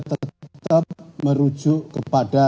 tetap merujuk kepada